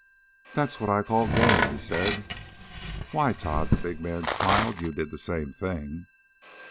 "That's what I call game!" he said. "Why, Tod," the big man smiled, "you did the same thing."